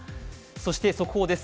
そして速報です。